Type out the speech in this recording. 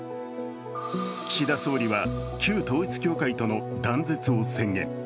岸田総理は、旧統一教会との断絶を宣言。